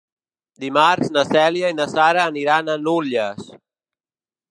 Dimarts na Cèlia i na Sara aniran a Nulles.